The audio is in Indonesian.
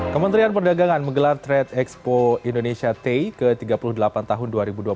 kementerian perdagangan menggelar trade expo indonesia tay ke tiga puluh delapan tahun dua ribu dua puluh satu